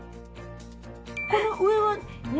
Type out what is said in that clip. この上は「ニ」